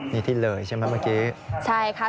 นี่ที่เหลยใช่ไหมเมื่อกี้